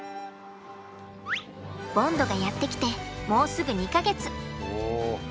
ボンドがやって来てもうすぐ２か月。